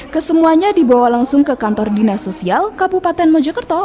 kesemuanya dibawa langsung ke kantor dinas sosial kabupaten mojokerto